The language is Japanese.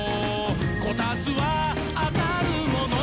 「こたつはあたるもの」